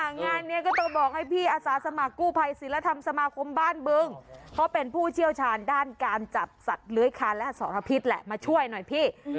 งานนี้ก็ต้องบอกให้พี่อาสาสมัครกู้ภัยศิลธรรมสมาคมบ้านบึงเพราะเป็นผู้เชี่ยวชาญด้านการจับสัตว์เลื้อยคานและสรพิษแหละมาช่วยหน่อยพี่